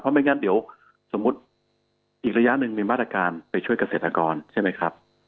ไม่งั้นเดี๋ยวสมมุติอีกระยะหนึ่งมีมาตรการไปช่วยเกษตรกรใช่ไหมครับ